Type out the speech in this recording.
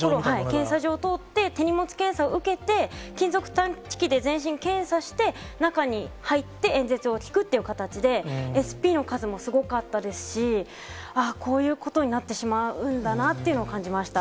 検査場を通って、手荷物検査を受けて、金属探知機で全身検査して、中に入って演説を聞くっていう形で、ＳＰの数もすごかったですし、ああ、こういうことになってしまうんだなっていうのを感じました。